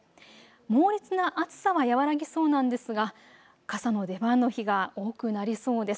猛烈な暑さは和らぎそうなんですが傘の出番の日が多くなりそうです。